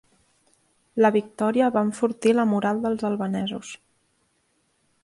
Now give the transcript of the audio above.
La victòria va enfortir la moral dels albanesos.